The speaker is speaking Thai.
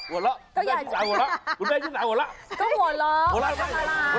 ก็หัวเราะทำอะไรหัวเราะทำไมทำกับข้าวหรือว่าออกกำลังกาย